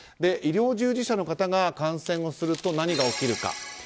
医療従事者の方が感染をすると何が起きるか。